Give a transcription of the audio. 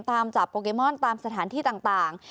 ตามจับโปเกมอนตามสถานที่ต่าง